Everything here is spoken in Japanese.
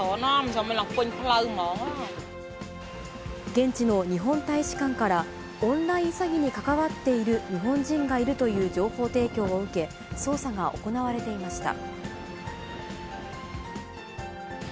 現地の日本大使館から、オンライン詐欺に関わっている日本人がいるという情報提供を受け、捜査が行われていました。